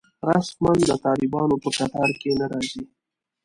رسماً د طالبانو په کتار کې نه راځي.